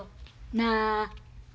なあ？